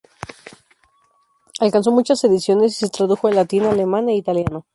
Alcanzó muchas ediciones y se tradujo al latín, alemán e italiano.